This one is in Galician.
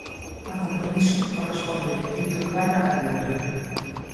A Compromiso correspóndelle o quinto lugar na candidatura.